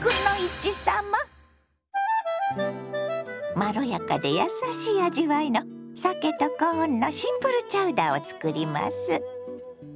まろやかでやさしい味わいのさけとコーンのシンプルチャウダーを作ります。